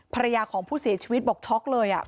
ภรรยาของผู้เสียชีวิตบอกช็อกเลย